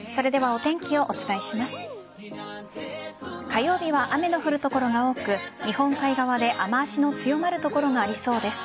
火曜日は雨の降る所が多く日本海側で雨脚の強まる所がありそうです。